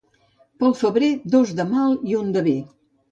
Pel febrer, dos de mal i un de bé.